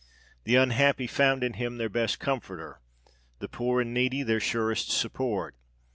The unhappy found in him their best comforter ; the poor and needy their surest support.